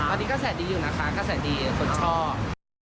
ตอนนี้กระแสดีอยู่นะคะกระแสดีคนชอบ